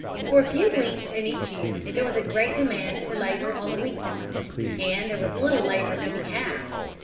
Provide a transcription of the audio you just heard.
For a few weeks in each year there was a great demand for labor on the wheat farms. And there was little labor to be had.